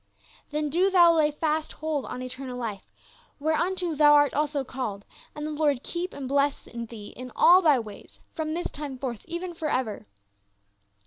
" Then do thou lay fast hold on eternal life, wherc unto thou art also called, and the Lord keep and bless thee in all thy ways from this time forth, e\en forever."